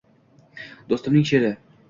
doʼstimning sheʼri